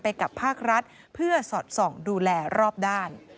กับภาครัฐเพื่อสอดส่องดูแลรอบด้าน